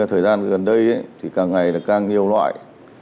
thời gian gần đây thì càng ngày càng nhiều loại